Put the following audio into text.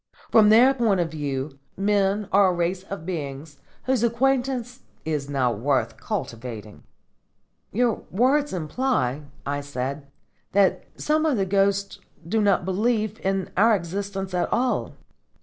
From their point of view, men are a race of beings whose acquaintance is not worth cultivating." "Your words imply," I said, "that some of the ghosts do not believe in our existence at all."